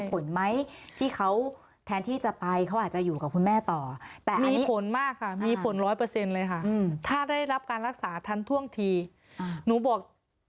มีผลไหมที่เขาแทนที่จะไปเขาอาจจะอยู่กับคุณแม่เถอะมีผลมากค่ะมีผล๑๐๐เลยค่ะถ้าได้รับการรักษาทันท่วงทีนุบอก